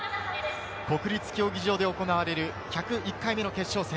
国立競技場で行われる１０１回目の決勝戦。